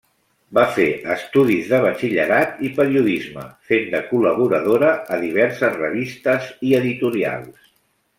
Va fer estudis de batxillerat i periodisme, fent de col·laboradora a diverses revistes i editorials.